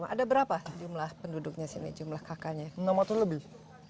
ada berapa jumlah penduduknya sini jumlah kakaknya nama terlebih enam